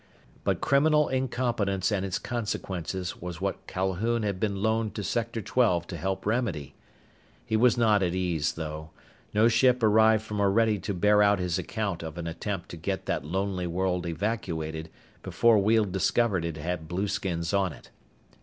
But criminal incompetence and its consequences was what Calhoun had been loaned to Sector Twelve to help remedy. He was not at ease, though. No ship arrived from Orede to bear out his account of an attempt to get that lonely world evacuated before Weald discovered it had blueskins on it.